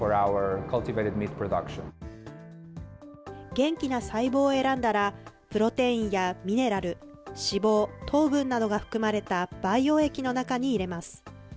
元気な細胞を選んだら、プロテインやミネラル、脂肪、糖分などが含まれた培養液の中に入れます。